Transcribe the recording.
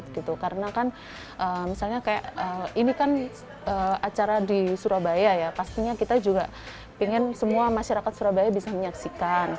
karena kan misalnya kayak ini kan acara di surabaya ya pastinya kita juga ingin semua masyarakat surabaya bisa menyaksikan